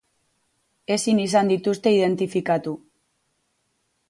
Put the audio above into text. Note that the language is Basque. Ezin izan dituzte identifikatu.